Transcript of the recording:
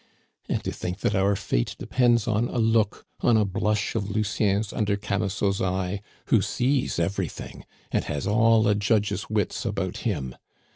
And to think that our fate depends on a look, on a blush of Lucien's under Camusot's eye, who sees everything, and has all a judge's wits about him!